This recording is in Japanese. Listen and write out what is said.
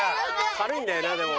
軽いんだよなでも。